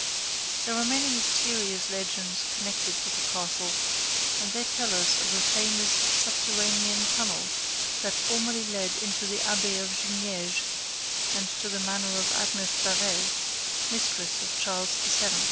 There are many mysterious legends connected with the castle, and they tell us of a famous subterranean tunnel that formerly led to the abbey of Jumieges and to the manor of Agnes Sorel, mistress of Charles VII.